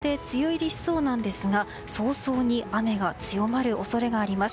関東でもこのタイミングで梅雨入りしそうなんですが早々に雨が強まる恐れがあります。